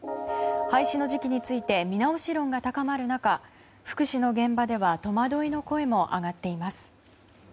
廃止の時期について見直し論が高まる中福祉の現場では戸惑いの声も上がっています。